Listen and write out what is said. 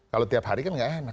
kalau tiap hari kan nggak enak